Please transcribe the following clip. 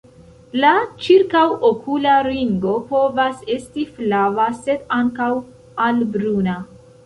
La ĉirkaŭokula ringo povas esti flava, sed ankaŭ al bruna.